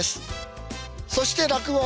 そして落語。